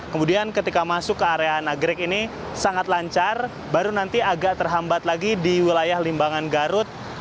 kemudian ketika masuk ke area nagrek ini sangat lancar baru nanti agak terhambat lagi di wilayah limbangan garut